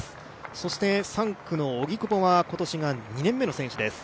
そして３区の荻久保は、今年が２年目の選手です。